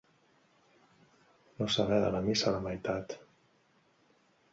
No saber de la missa la meitat.